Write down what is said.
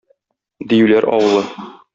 Диюләр авылы.